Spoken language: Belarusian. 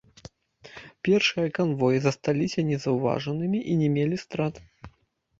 Першыя канвоі засталіся незаўважанымі і не мелі страт.